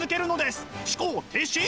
思考停止！